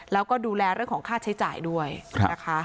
แล้วก็ดูแลเรื่องของค่าใช้จ่ายด้วยนะคะ